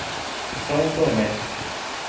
São Tomé